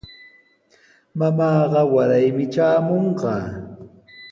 Mamaaqa waraymi traamunqa.